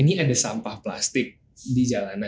ini ada sampah plastik di jalan iya